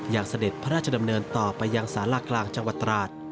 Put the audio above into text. เสด็จพระราชดำเนินต่อไปยังสารากลางจังหวัดตราด